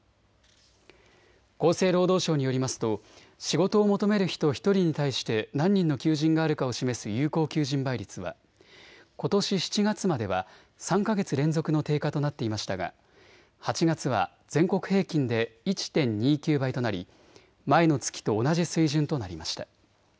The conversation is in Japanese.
厚生労働省によりますと仕事を求める人１人に対して何人の求人があるかを示す有効求人倍率はことし７月までは３か月連続の低下となっていましたが８月は全国平均で１．２９倍となり前の月と同じ水準となりました。